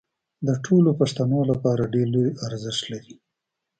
د ټولو پښتنو لپاره ډېر لوی ارزښت لري